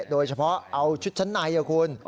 โดยเฉพาะเอาชุดชั้นในคุณ